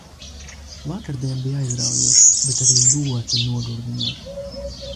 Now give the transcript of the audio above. Vakardiena bija aizraujoša, bet arī ļoti nogurdinoša.